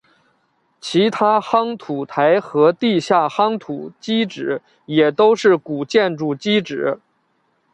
其他夯土台和地下夯土基址也都是古建筑基址。